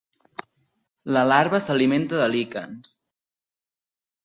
La larva s'alimenta de líquens.